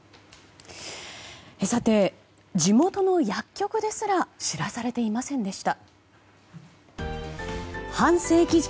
地元の薬局ですら知らされていませんでした。